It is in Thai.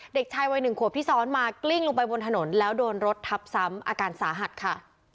เด็กชายวัยหนึ่งขวบที่ซ้อนมากลิ้งลงไปบนถนนแล้วโดนรถทับซ้ำอาการสาหัสค่ะ